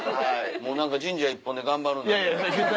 もう何か神社一本で頑張るんだって。